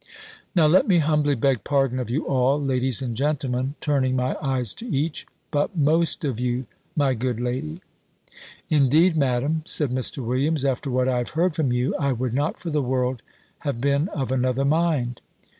"Now let me humbly beg pardon of you all, ladies and gentlemen," turning my eyes to each; "but most of you, my good lady." "Indeed, Madam," said Mr. Williams, "after what I have heard from you, I would not, for the world, have been of another mind."